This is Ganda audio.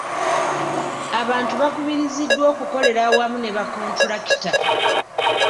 Abantu bakubiriziddwa okukolera awamu ne ba kontulakita.